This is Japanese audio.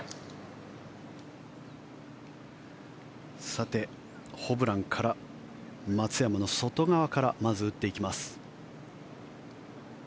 さて、ホブランから松山の外側からまず打っていきます。